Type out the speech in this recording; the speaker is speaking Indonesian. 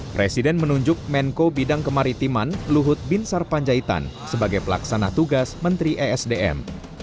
presiden menunjuk menko bidang kemaritiman luhut bin sarpanjaitan sebagai pelaksana tugas menteri esdm